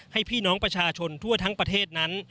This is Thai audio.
ให้พี่น้องประชาชนทั่วทั้งประเทศนั้น